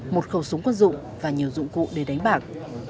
một khẩu súng quân dụng và nhiều dụng cụ để đánh bạc